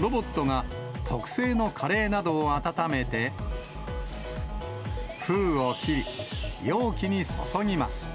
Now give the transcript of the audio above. ロボットが特製のカレーなどを温めて、封を切り、容器に注ぎます。